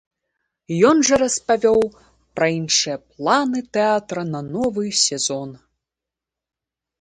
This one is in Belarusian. Ён жа распавёў пра іншыя планы тэатра на новы сезон.